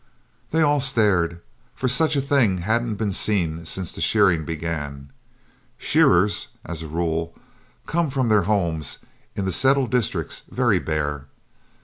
They all stared, for such a thing hadn't been seen since the shearing began. Shearers, as a rule, come from their homes in the settled districts very bare.